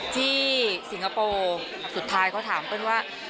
สิงคโปร์สุดท้ายเขาถามเปิ้ลว่า